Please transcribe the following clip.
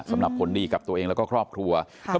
สำหรับผลดีกับตัวเองแล้วก็ครอบครัว